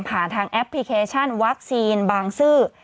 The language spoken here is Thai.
ทางแอปพลิเคชันวัคซีนบางซื่อ